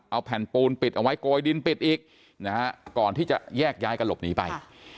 เอาแผ่นปูนปิดเอาไว้โกยดินปิดอีกนะฮะก่อนที่จะแยกย้ายกันหลบหนีไป